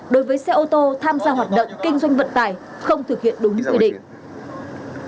đối với xe ô tô tham gia hoạt động kinh doanh vận tải không thực hiện đúng quy định